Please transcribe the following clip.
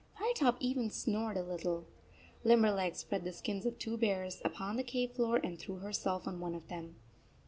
Firetop even snored a little. Limberleg spread the skins of two bears upon the cave floor and threw herself on one of them.